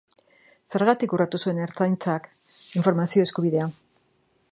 Zergatik urratu zuen Ertzaintzak informazio eskubidea?